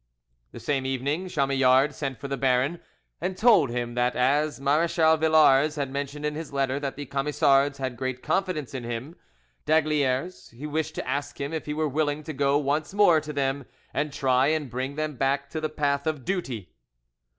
The same evening Chamillard sent for the baron, and told him that as Marechal Villars had mentioned in his letter that the Camisards had great confidence in him, d'Aygaliers, he wished to ask him if he were willing to go once more to them and try and bring them back to the path of duty.